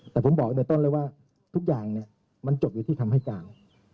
แต่ผมบอกในต้นเลยว่าทุกอย่างมันจบอยู่ที่คำให้การ